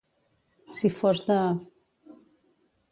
Si fos de...